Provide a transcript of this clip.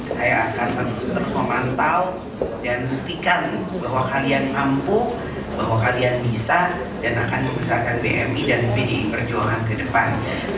saya akan terus memantau dan buktikan bahwa kalian mampu bahwa kalian bisa dan akan membesarkan bmi dan pdi perjuangan ke depan